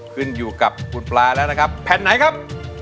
ขึ้นอยู่กับคุณปลาแล้วนะครับแผ่นไหนครับ